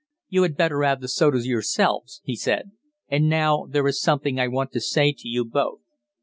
"You had better add the soda yourselves," he said. "And now there is something I want to say to you both.